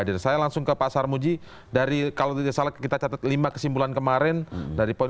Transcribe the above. hadir saya langsung ke pak sarmuji dari kalau tidak salah kita catat lima kesimpulan kemarin dari poin